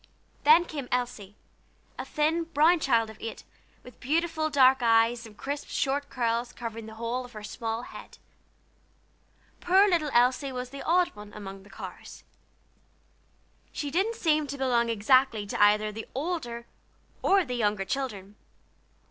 Then came Elsie, a thin, brown child of eight, with beautiful dark eyes, and crisp, short curls covering the whole of her small head. Poor little Elsie was the "odd one" among the Carrs. She didn't seem to belong exactly to either the older or the younger children.